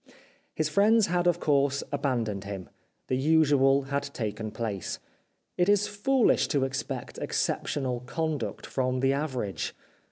His friends had, of course, abandoned him. The usual had taken place. It is foolish to ex pect exceptional conduct from the average.